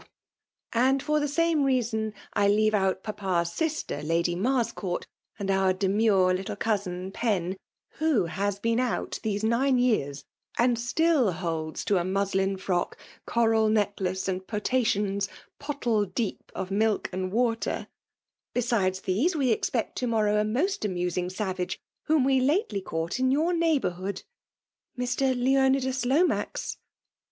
w ; and for the saime reason I leave <mt papa's ifeter Lady Marsoonrt, and our demure little cousin Pen, — who has be^i out tiiese nine years aad still hoUa to a muslm ficock, coral necUaoe, nnd potsiticms, pottle deep> «f mflk 166 .FEMALE DOMINATIOK. and water. Besides these, we expect to mor TOW a most amusing savage whom we lately caught in your neighbourhood '' Mr. Leonidas Lomax?''